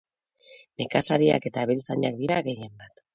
Nekazariak eta abeltzainak dira gehienbat.